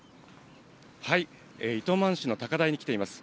糸満市の高台に来ています。